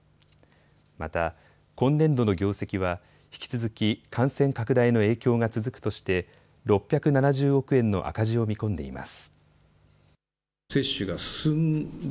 また、今年度の業績は引き続き感染拡大の影響が続くとして６７０億円の赤字を見込んでいます。